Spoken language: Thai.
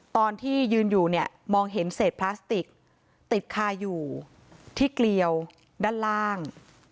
ตอนที่ยืนอยู่เนี่ยมองเห็นเศษพลาสติกติดคาอยู่ที่เกลียวด้านล่าง